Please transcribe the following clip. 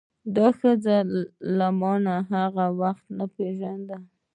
دا ښځه ما له هغه وخته پیژانده.